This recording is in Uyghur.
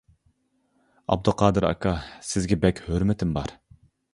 ئابدۇقادىر ئاكا : سىزگە بەك ھۆرمىتىم بار.